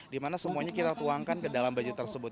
di mana semuanya kita tuangkan ke dalam baju tersebut